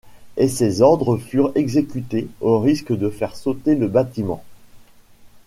Et ses ordres furent exécutés, au risque de faire sauter le bâtiment.